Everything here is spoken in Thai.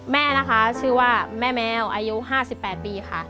แม่นะคะชื่อว่าแม่แมวอายุ๕๘ปีค่ะ